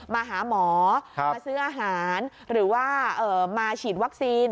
มาหาหมอมาซื้ออาหารหรือว่ามาฉีดวัคซีน